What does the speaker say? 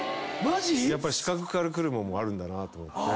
やっぱり視覚から来るもんもあるんだなと思って。